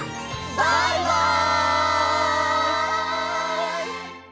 バイバイ！